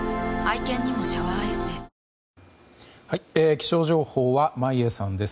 気象情報は眞家さんです。